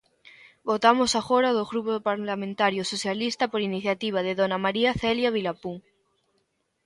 Votamos agora a do Grupo Parlamentario Socialista por iniciativa de dona María Celia Vilapún.